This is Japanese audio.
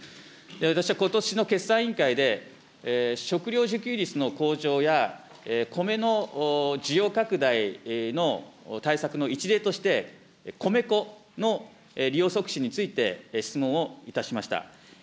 私はことしの決算委員会で、食料自給率の向上や、米の需要拡大の対策の一例として、米粉の利用促進について、質問をいたしました。